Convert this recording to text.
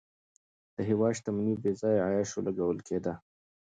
د هېواد شتمني په بېځایه عیاشیو لګول کېده.